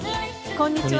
こんにちは。